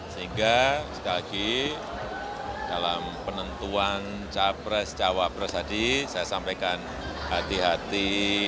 sehingga sekali lagi dalam penentuan capres cawapres tadi saya sampaikan hati hati